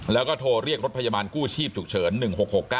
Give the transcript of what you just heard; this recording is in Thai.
และหลักโทรได้เรียกรถประยบาลกู้ชีพฉุกเฉิน๑๖๖๙